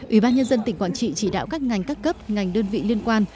ủy ban nhân dân tỉnh quảng trị chỉ đạo các ngành các cấp ngành đơn vị liên quan